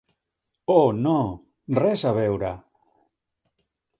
Oh, no, res a veure!